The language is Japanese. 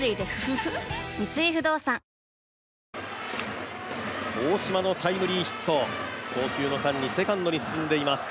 三井不動産大島のタイムリーヒット、送球の間にセカンドに進んでいます。